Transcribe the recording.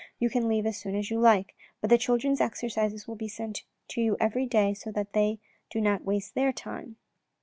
You can leave as soon as you like, but the childrens' exercises will be sent to you every day so that they do not waste their time."